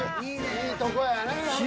いいとこやね。